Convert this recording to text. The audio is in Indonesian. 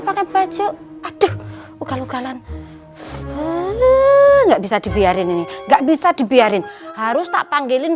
pakai baju aduh ugal ugalan enggak bisa dibiarin ini enggak bisa dibiarin harus tak panggilin